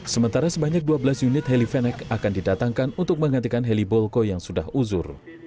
sementara sebanyak dua belas unit heli fennec akan didatangkan untuk menggantikan heli bolko yang sudah uzur